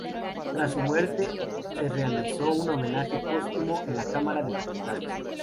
Tras su muerte, se le realizó un homenaje póstumo en la Camara de Diputados.